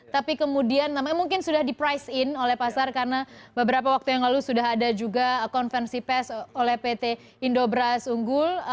tapi kemudian namanya mungkin sudah di price in oleh pasar karena beberapa waktu yang lalu sudah ada juga konvensi pes oleh pt indobras unggul